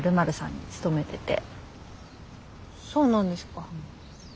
そうなんですか？